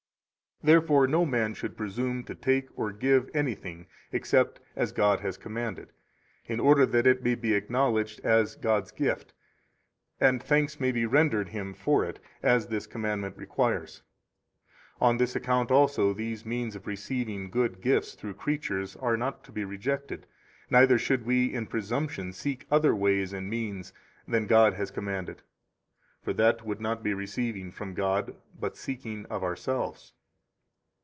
27 Therefore no man should presume to take or give anything except as God has commanded, in order that it may be acknowledged as God's gift, and thanks may be rendered Him for it, as this commandment requires. On this account also these means of receiving good gifts through creatures are not to be rejected, neither should we in presumption seek other ways and means than God has commanded. For that would not be receiving from God, but seeking of ourselves.